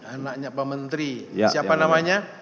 anaknya pak menteri siapa namanya